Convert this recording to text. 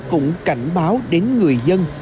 cũng cảnh báo đến người dân